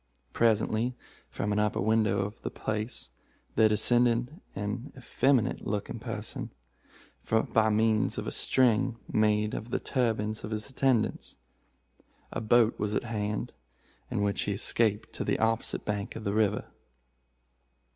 Presently, from an upper window of this place, there descended an effeminate looking person, by means of a string made of the turbans of his attendants. A boat was at hand, in which he escaped to the opposite bank of the river.